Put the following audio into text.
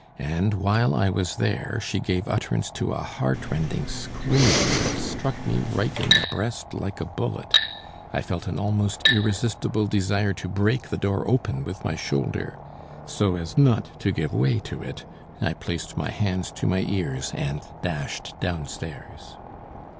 And, while I was there, she gave utterance to a heartrending scream that struck me right in the breast like a bullet. I felt an almost irresistible desire to break the door open with my shoulder. So as not to give way to it, I placed my hands to my ears, and dashed downstairs.